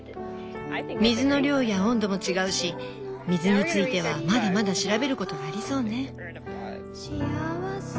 水の量や温度も違うし水についてはまだまだ調べることがありそうね。